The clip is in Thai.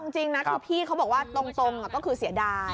จริงนะคือพี่เขาบอกว่าตรงก็คือเสียดาย